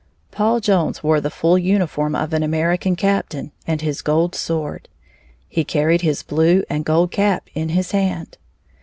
Paul Jones wore the full uniform of an American captain and his gold sword. He carried his blue and gold cap in his hand.